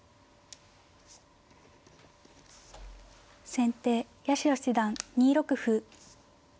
先手八代七段２六歩。